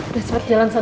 udah cepet jalan sana